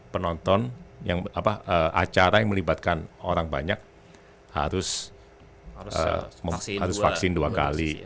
penonton acara yang melibatkan orang banyak harus vaksin dua kali